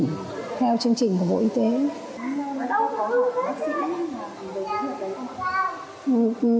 theo chương trình của bộ y tế